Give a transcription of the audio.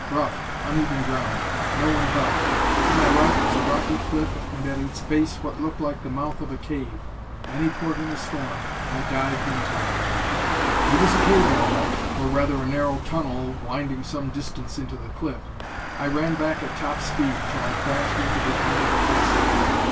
Rough, uneven ground. No one about. To my right was a rocky cliff, and at its base what looked like the mouth of a cave. Any port in a storm: I dived into it. It was a cave, all right, or rather a narrow tunnel winding some distance into the cliff. I ran back at top speed, till I crashed into the end of the passage.